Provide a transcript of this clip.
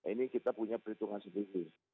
ini kita punya perhitungan sendiri